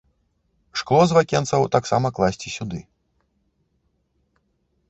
Шкло з вакенцаў таксама класці сюды.